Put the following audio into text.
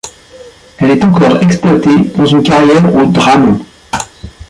Elle est encore exploitée dans une carrière au Dramont.